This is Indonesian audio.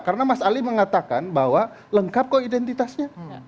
karena mas ali mengatakan bahwa lengkap kok identitasnya